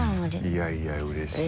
いやいやうれしい。